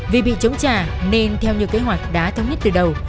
vì bị chống trả nên theo như kế hoạch đã thống nhất từ đầu